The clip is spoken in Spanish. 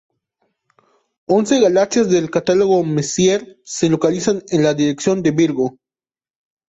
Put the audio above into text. Once galaxias del catálogo Messier se localizan en la dirección de Virgo.